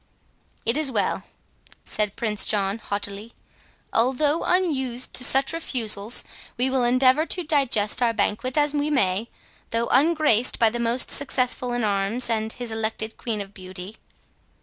"It is well," said Prince John, haughtily; "although unused to such refusals, we will endeavour to digest our banquet as we may, though ungraced by the most successful in arms, and his elected Queen of Beauty."